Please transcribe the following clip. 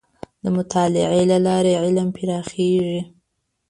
د مطالعې له لارې علم پراخېږي.